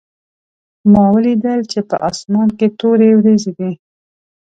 ما ولیدل چې په اسمان کې تورې وریځې دي